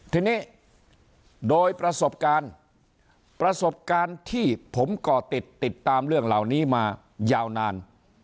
ทีนี้โดยประสบการณ์ประสบการณ์ที่ผมก่อติดติดตามเรื่องเหล่านี้มายาวนาน